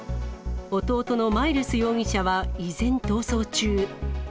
弟のマイルス容疑者は依然、逃走中。